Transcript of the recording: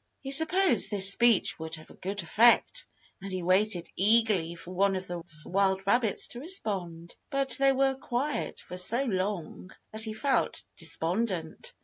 He supposed this speech would have a good effect, and he waited eagerly for one of the wild rabbits to respond. But they were quiet for so long that he felt despondent.